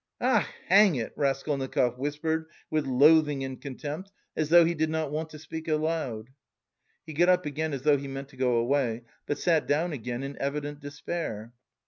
"Ach, hang it!" Raskolnikov whispered with loathing and contempt, as though he did not want to speak aloud. He got up again as though he meant to go away, but sat down again in evident despair.